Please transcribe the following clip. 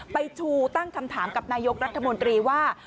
ไปชูตั้งคำถามกับนายกรัฐมนตรีว่า